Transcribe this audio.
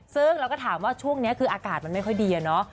ซึ่งเราก็ถามว่าช่วงนี้คืออากาศมันไม่ค่อยดีอะเนาะ